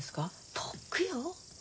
とっくよ。